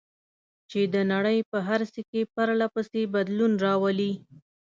چې د نړۍ په هر څه کې پرله پسې بدلون راولي.